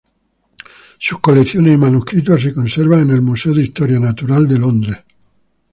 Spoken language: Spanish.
Sus colecciones y manuscritos se conservan en el Museo de Historia Natural de Londres.